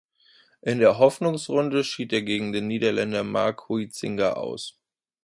In der Hoffnungsrunde schied er gegen den Niederländer Mark Huizinga aus.